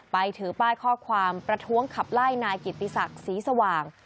ถือป้ายข้อความประท้วงขับไล่นายกิติศักดิ์ศรีสว่าง